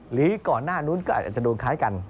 หรือก่อนหน้านู้นก็อาจจะโดนคล้ายกัน